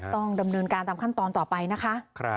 ต้องดำเนินการตามขั้นตอนต่อไปนะคะ